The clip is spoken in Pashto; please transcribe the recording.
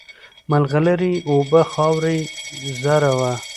مرغلري یې اوبه خاوره یې زر وه